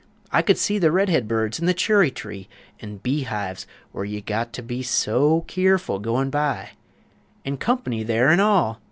I could see The red heads in the churry tree; An' bee hives, where you got to be So keerful, goin' by; An' "Comp'ny" there an' all!